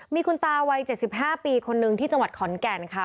มีคุณตาวัย๗๕ปีคนนึงที่จังหวัดขอนแก่นค่ะ